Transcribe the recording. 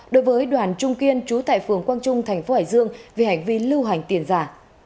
đối với đoàn trung kiên chú tại phường quang trung thành phố hải dương vì hành vi lưu hành tiền giả